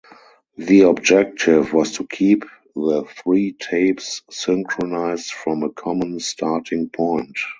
The objective was to keep the three tapes synchronised from a common starting point.